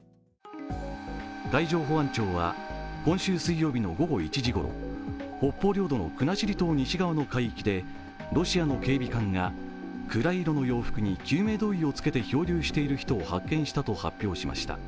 海上保安庁は今週水曜日の午後１時ごろ、北方領土の国後島西側の海域でロシアの警備艦が暗い色の洋服に救命胴衣を着けて漂流している人を発見したと発表しました。